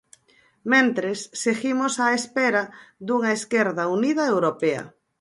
Mentres, seguimos á espera dunha esquerda unida europea.